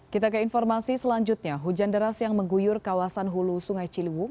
kita ke informasi selanjutnya hujan deras yang mengguyur kawasan hulu sungai ciliwung